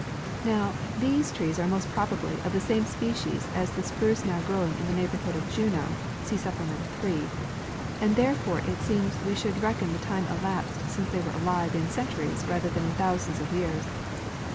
Now, these trees are most probably of the same species as the spruce now growing in the neighborhood of Juneau (see supplement iii), and therefore it seems we should reckon the time elapsed since they were alive in centuries rather than in thousands of 3^ears.